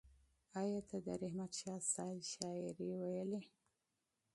ایا ته د رحمت شاه سایل شاعري لولې؟